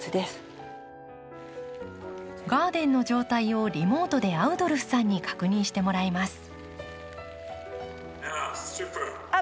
ガーデンの状態をリモートでアウドルフさんに確認してもらいます。